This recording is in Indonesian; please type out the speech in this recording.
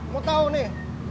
mau tau nih